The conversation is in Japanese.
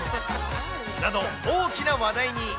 など、大きな話題に。